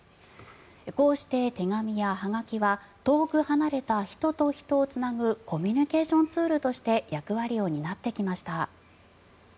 こうして手紙やはがきは遠く離れた人と人をつなぐコミュニケーションツールとして役割を担ってきました。